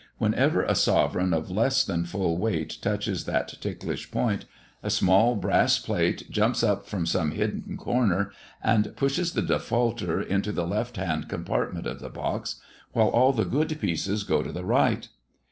Whenever a sovereign of less than full weight touches that ticklish point, a small brass plate jumps up from some hidden corner, and pushes the defaulter into the left hand compartment of the box, while all the good pieces go to the right.